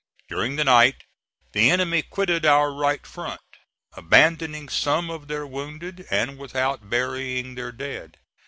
During the night the enemy quitted our right front, abandoning some of their wounded, and without burying their dead.